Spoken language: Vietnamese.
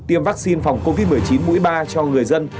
tiêm vaccine phòng covid một mươi chín mũi ba cho người dân